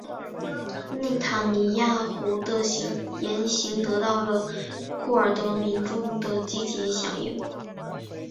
内塔尼亚胡的言行得到了库尔德民众的积极响应。